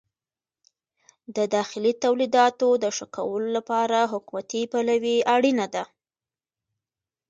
د داخلي تولیداتو د ښه کولو لپاره حکومتي پلوي اړینه ده.